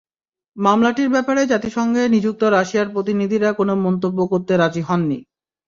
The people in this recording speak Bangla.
মামলাটির ব্যাপারে জাতিসংঘে নিযুক্ত রাশিয়ার প্রতিনিধিরা কোনো মন্তব্য করতে রাজি হননি।